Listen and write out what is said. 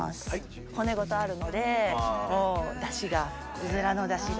骨ごとあるのでダシがうずらのダシが。